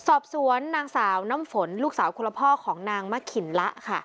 สอบสวนนางสาวน้ำฝนลูกสาวคนละพ่อของนางมะขินละค่ะ